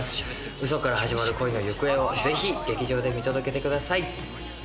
ウソから始まる恋の行方をぜひ劇場で見届けてください。